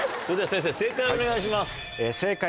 それでは先生正解をお願いします。